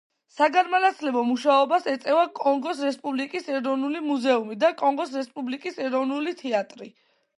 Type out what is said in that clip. საგანმანათლებლო მუშაობას ეწევა კონგოს რესპუბლიკის ეროვნული მუზეუმი და კონგოს რესპუბლიკის ეროვნული თეატრი.